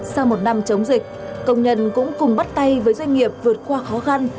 sau một năm chống dịch công nhân cũng cùng bắt tay với doanh nghiệp vượt qua khó khăn